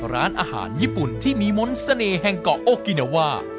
ร้านอาหารญี่ปุ่นที่มีมนต์เสน่ห์แห่งเกาะโอกินาวา